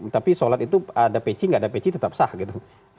tapi sholat itu ada peci nggak ada peci tetap sah gitu